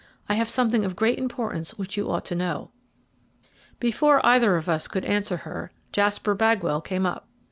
I have something of great importance which you ought to know." Before either of us could answer her, Jasper Bagwell came up.